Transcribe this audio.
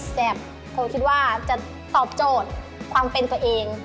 แซ่บโพคิดว่าจะตอบโจทย์ความเป็นตัวเอง